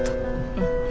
うん。